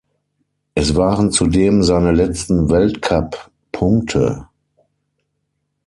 Es waren zudem seine letzten Weltcup-Punkte.